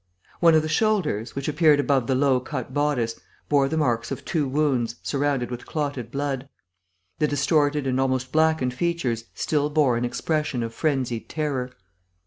One of the shoulders, which appeared above the low cut bodice, bore the marks of two wounds surrounded with clotted blood. The distorted and almost blackened features still bore an expression of frenzied terror.